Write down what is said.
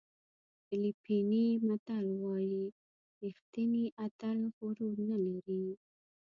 فلپیني متل وایي ریښتینی اتل غرور نه لري.